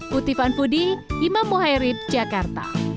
kutipan foodie imam muhairib jakarta